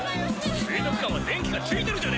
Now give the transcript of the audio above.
水族館は電気がついてるじゃねえか！